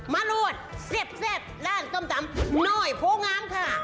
มารวดเสียบร้านส้มตำน้อยโผล่งามค่ะ